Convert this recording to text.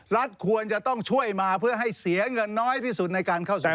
รัฐควรจะต้องช่วยมาเพื่อให้เสียเงินน้อยที่สุดในการเข้าใช้